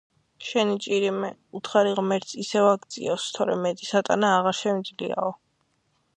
შენი ჭირიმე, უთხარი ღმერთს, ისევ აგწიოს, თორემ მეტის ატანა აღარ შემიძლიაო.